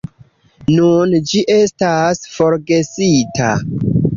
Nun ĝi estas forgesita.